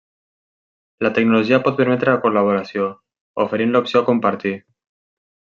La tecnologia pot permetre la col·laboració, oferint l'opció a compartir.